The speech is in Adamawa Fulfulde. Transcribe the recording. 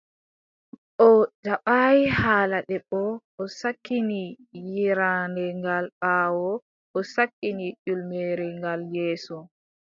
O jaɓaay haala debbo, o sakkini yeeraande gal ɓaawo, o sakkini ƴulmere gal yeeso.